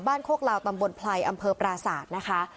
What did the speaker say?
บ้านโคกลาวตำบลไพรอำเภอปราสาทนะคะ